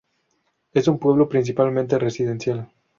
Es un pueblo principalmente residencial.